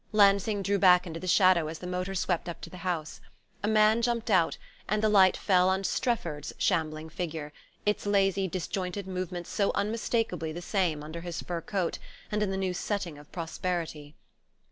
Lansing drew back into the shadow as the motor swept up to the house. A man jumped out, and the light fell on Strefford's shambling figure, its lazy disjointed movements so unmistakably the same under his fur coat, and in the new setting of prosperity.